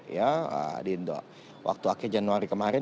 ya di waktu akhir januari kemarin